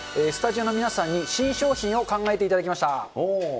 スタジオの皆さんに新商品を考えていただきました。